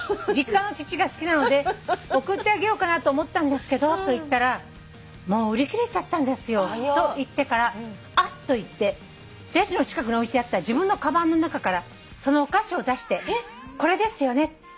「実家の父が好きなので送ってあげようかなと思ったんですけどと言ったら『もう売り切れちゃったんですよ』と言ってから『あっ！』と言ってレジの近くに置いてあった自分のかばんの中からそのお菓子を出して『これですよね？』」